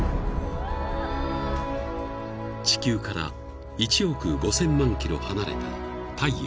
［地球から１億５，０００万ｋｍ離れた太陽］